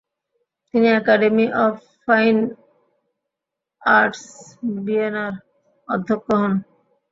তিনি academy of fine arts ভিয়েনার অধ্যক্ষ হন।